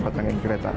empat rangkaian kereta